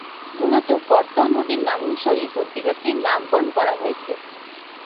মূলত করতোয়া নদীর নামানুসারেই পত্রিকাটির নামকরণ করা হয়েছে।